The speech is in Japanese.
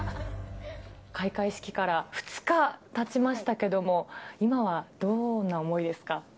開会式から２日たちましたけども、今はどんな思いですか。